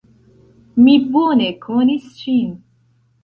Mi bone konis ŝin.